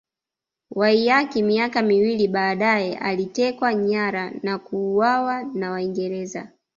Waiyaki miaka miwili baadaye alitekwa nyara na kuuawa na Waingereza